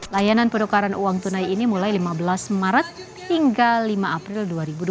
layanan penukaran uang tunai ini mulai lima belas maret hingga lima april dua ribu dua puluh